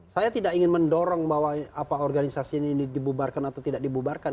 saya tidak ingin mendorong bahwa organisasi ini dibubarkan atau tidak dibubarkan